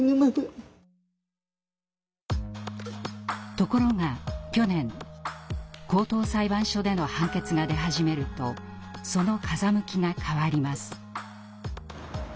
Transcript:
ところが去年高等裁判所での判決が出始めるとその風向きが変わります。